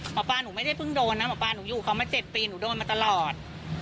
หมอปลาหนูไม่ได้เพิ่งโดนนะหมอปลาหนูอยู่เขามา๗ปีหนูโดนมาตลอด